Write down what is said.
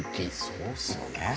そうですよね。